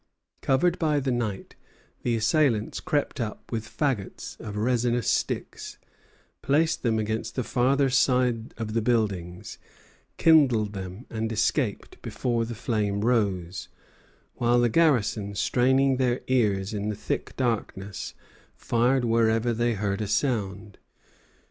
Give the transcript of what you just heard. Covered by the night, the assailants crept up with fagots of resinous sticks, placed them against the farther side of the buildings, kindled them, and escaped before the flame rose; while the garrison, straining their ears in the thick darkness, fired wherever they heard a sound.